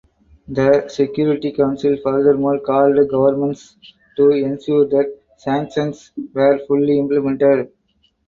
The Security Council furthermore called Governments to ensure that sanctions were fully implemented.